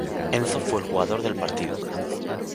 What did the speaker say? Enzo fue el jugador del partido.